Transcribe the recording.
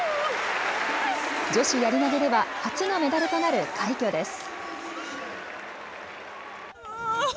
女子やり投げでは初のメダルとなる快挙です。